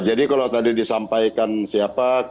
jadi kalau tadi disampaikan siapa